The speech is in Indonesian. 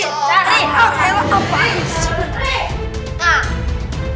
oh elok apaan sih